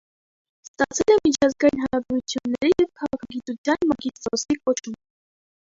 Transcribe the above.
Ստացել է միջազգային հարաբերությունների և քաղաքագիտության մագիստրոսի կոչում։